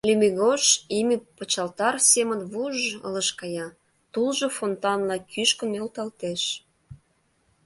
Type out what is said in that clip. Лӱмегож име пычалтар семын вуж-ж ылыж кая, тулжо фонтанла кӱшкӧ нӧлталтеш.